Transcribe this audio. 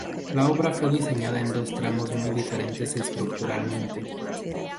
La obra fue diseñada en dos tramos muy diferentes estructuralmente.